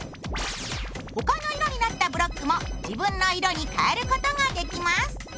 他の色になったブロックも自分の色に変えることができます。